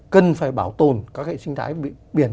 cần phải bảo tồn các hệ sinh thái biển